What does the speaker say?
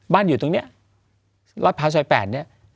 บ้านอยู่ตรงนี้รถพาสอย๘เนี่ย